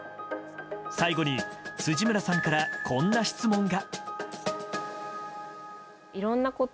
最後に、辻村さんからこんな質問が。